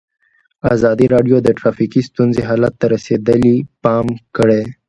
ازادي راډیو د ټرافیکي ستونزې حالت ته رسېدلي پام کړی.